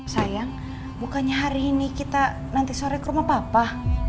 sayang bukannya hari ini kita nanti sore ke rumah papa